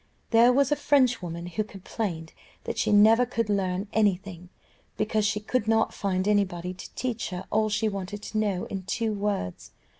There was a Frenchwoman who complained that she never could learn any thing, because she could not find anybody to teach her all she wanted to know in two words.